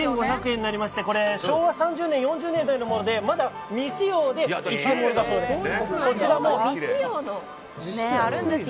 ８５００円になりまして昭和３０年代、４０年代のものでまだ未使用で一点ものだそうです。